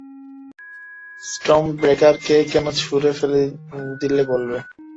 স্টর্মব্রেকারকে কেন ছুঁড়ে ফেলে দিলে বলবে?